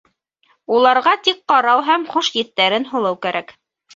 Уларға тик ҡарау һәм хуш еҫтәрен һулау кәрәк.